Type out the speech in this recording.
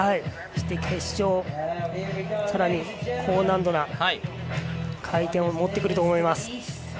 決勝、さらに高難度な回転を持ってくると思います。